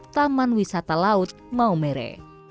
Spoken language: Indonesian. taman wisata laut nomere